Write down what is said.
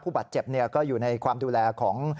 บาดเจ็บก็อยู่ในความดูแลของ